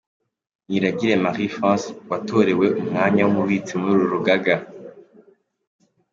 Niragire Marie France watorewe umwanya w'umubitsi muri uru rugaga.